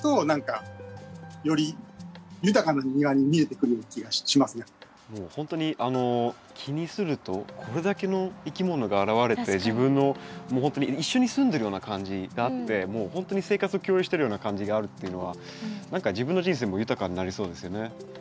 でそこで生きて生活してるほんとに気にするとこれだけのいきものが現れて自分のもうほんとに一緒に住んでるような感じがあってもうほんとに生活を共有してるような感じがあるっていうのは何か自分の人生も豊かになりそうですよね。